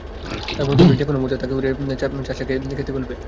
তাঁর মনে হতে লাগল, যে-কোনো মুহূর্তে তাকে উড়িয়ে নিয়ে চাষা খেতে ফেলবে।